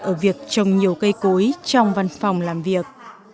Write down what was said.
ở việc trồng nhiều cây cối trong văn phòng làm việc